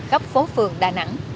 khắp phố phường đà nẵng